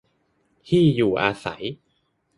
ที่อยู่อาศัย